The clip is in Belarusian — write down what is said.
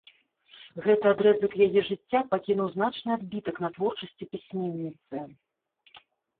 Гэты адрэзак яе жыцця пакінуў значны адбітак на творчасці пісьменніцы.